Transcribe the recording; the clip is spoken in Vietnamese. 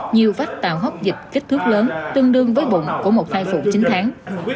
nhiều vách tào hốc dịch kích thước lớn tương đương với bụng của một thai phụ chín tháng